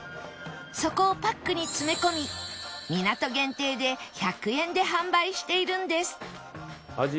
そこをパックに詰め込み港限定で１００円で販売しているんです